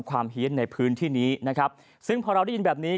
ความเหี้ยนในพื้นที่นี้ซึ่งพอเราได้ยินแบบนี้